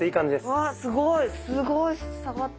うわすごいすごい下がった。